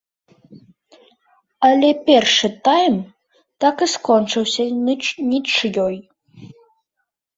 Але першы тайм так і скончыўся нічыёй.